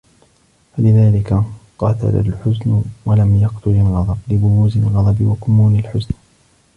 فَلِذَلِكَ قَتَلَ الْحُزْنُ وَلَمْ يَقْتُلْ الْغَضَبُ لِبُرُوزِ الْغَضَبِ وَكُمُونِ الْحُزْنِ